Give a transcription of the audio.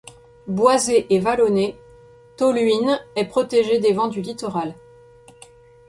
Boisée et vallonnée, Tolhuin est protégée des vents du littoral.